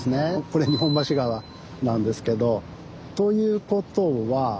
これ日本橋川なんですけどということは。